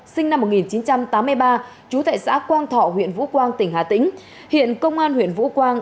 sinh năm một nghìn chín trăm tám mươi ba trú tại xã quang thọ huyện vũ quang tỉnh hà tĩnh hiện công an huyện vũ quang